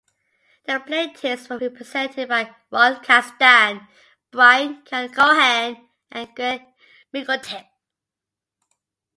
The plaintiffs were represented by Ron Castan, Bryan Keon-Cohen and Greg McIntyre.